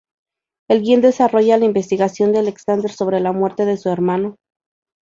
El guion desarrolla la investigación de Alexander sobre la muerte de su hermano.